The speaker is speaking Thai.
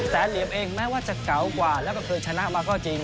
แสนเหลี่ยมเองแม้ว่าจะเกาะกว่าและก็เกิดชนะมาก็จริง